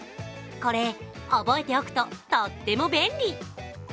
これ、覚えておくととっても便利。